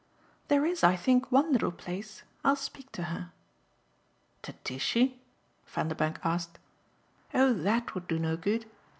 "There IS, I think, one little place. I'll speak to her." "To Tishy?" Vanderbank asked. "Oh THAT would do no good.